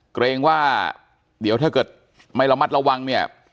เกรงว่าเดี๋ยวถ้าเกิดไม่ระมัดระวังเนี่ย